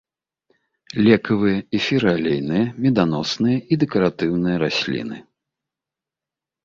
Лекавыя, эфіраалейныя, меданосныя і дэкаратыўныя расліны.